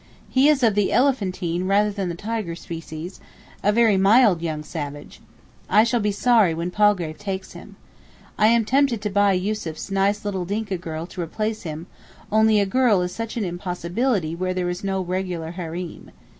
He is of the elephantine rather than the tiger species, a very mild young savage. I shall be sorry when Palgrave takes him. I am tempted to buy Yussuf's nice little Dinka girl to replace him, only a girl is such an impossibility where there is no regular hareem.